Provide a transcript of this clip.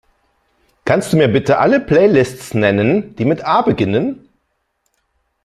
Kannst Du mir bitte alle Playlists nennen, die mit A beginnen?